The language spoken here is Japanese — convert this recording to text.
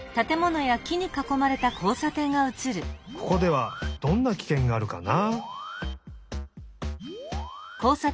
ここではどんなきけんがあるかな？